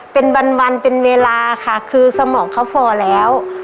เป็นวันเป็นเวลาค่ะคือสมองเขาพอแล้ว